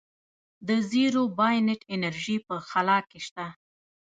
د زیرو پاینټ انرژي په خلا کې شته.